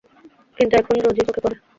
কিন্তু, এখন রোজই চোখে পড়ে।